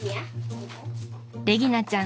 ［レギナちゃん